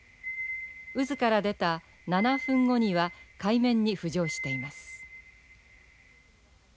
渦から出た７分後には海面に浮上しています。